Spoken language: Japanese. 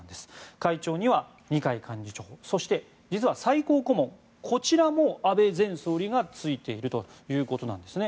会長には二階幹事長そして、最高顧問こちらも安倍前総理が就いているということなんですね。